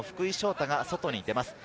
大が外に出ます。